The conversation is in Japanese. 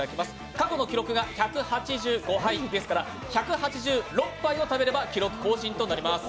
過去の記録が１８５杯ですから、１８６杯を食べれば記録更新となります。